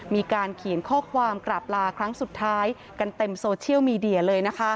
มีการเขียนข้อความกราบลาครั้งสุดท้ายกันเต็มโซเชียลมีเดียเลย